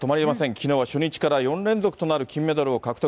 きのうは初日から４連続となる金メダルを獲得。